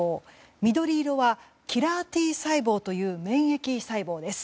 緑色はキラーＴ細胞という免疫細胞です。